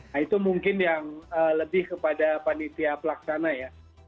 nah itu mungkin yang lebih kepada panitia pelaksana ya